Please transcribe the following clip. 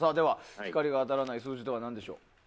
光が当たらない数字何でしょう？